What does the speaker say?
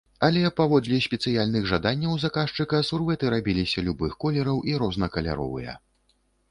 Але, паводле спецыяльных жаданняў заказчыка, сурвэты рабіліся любых колераў і рознакаляровыя.